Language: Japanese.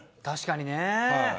確かにね。